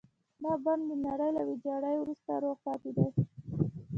دا بڼ د نړۍ له ويجاړۍ وروسته روغ پاتې دی.